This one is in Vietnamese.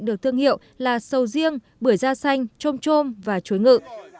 được thương hiệu là sầu riêng bưởi da xanh trôm trôm và chuối ngự